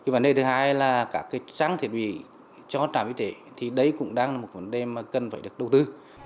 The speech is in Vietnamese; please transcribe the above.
vấn đề thứ hai là cả cái trang thiết bị cho trạm y tế thì đấy cũng đang là một vấn đề mà cần phải được đầu tư